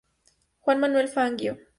Juan Manuel Fangio.